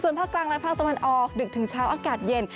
ส่วนภาคกลางและภาคตะวันออกดึกถึงเช้าอากาศเย็น